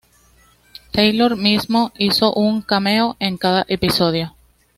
Taylor mismo hizo un cameo en cada episodio.